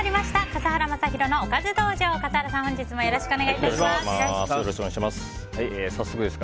笠原さん、本日もよろしくお願いいたします。